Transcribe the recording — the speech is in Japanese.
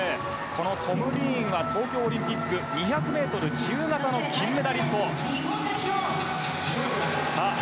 トム・ディーンは東京オリンピック２００ｍ自由形の金メダリストです。